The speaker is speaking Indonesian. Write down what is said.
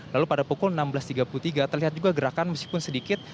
lalu pada pukul enam belas tiga puluh tiga terlihat juga gerakan meskipun sedikit